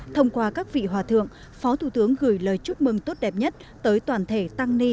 thông qua các vị hòa thượng phó thủ tướng gửi lời chúc mừng tốt đẹp nhất tới toàn thể tăng ni